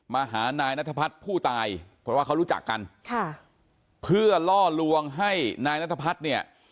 มาหานายนัทพัฒน์ผู้ตายเพราะว่าเขารู้จักกันค่ะเพื่อล่อลวงให้นายนัทพัฒน์เนี่ย